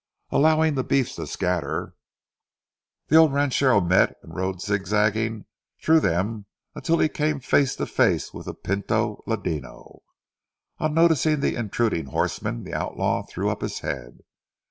Allowing the beeves to scatter, the old ranchero met and rode zigzagging through them until he came face to face with the pinto ladino. On noticing the intruding horseman, the outlaw threw up his head.